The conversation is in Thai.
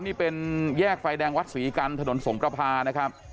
นี่เป็นแยกไฟแดงวัดศรีกันถนนสงประพานะครับ